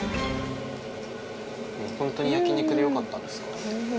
ホントに焼き肉でよかったんですか？